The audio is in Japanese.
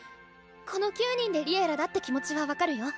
この９人で「Ｌｉｅｌｌａ！」だって気持ちは分かるよ。